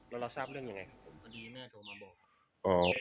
แล้วเราทราบเรื่องยังไงครับผมพอดีแม่โทรมาบอก